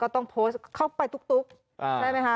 ต้องโพสต์เข้าไปตุ๊กใช่ไหมคะ